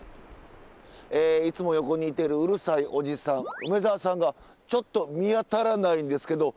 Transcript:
えいつも横にいてるうるさいおじさん梅沢さんがちょっと見当たらないんですけど。